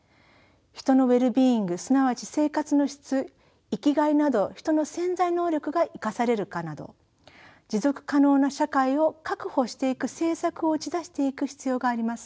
人のウェルビーイングすなわち生活の質生きがいなど人の潜在能力が生かされるかなど持続可能な社会を確保していく政策を打ち出していく必要があります。